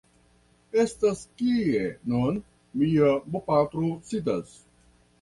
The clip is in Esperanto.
estas kie nun mia bopatro sidas.